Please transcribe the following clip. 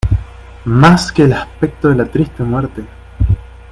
Más que el aspecto de la triste muerte.